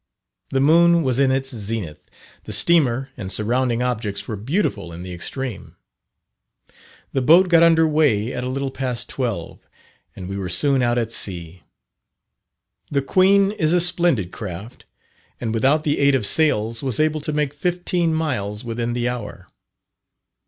The moon was in its zenith the steamer and surrounding objects were beautiful in the extreme. The boat got under weigh at a little past twelve, and we were soon out at sea. The "Queen" is a splendid craft, and without the aid of sails, was able to make fifteen miles within the hour.